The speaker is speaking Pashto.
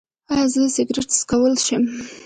ایا زه سګرټ څکولی شم؟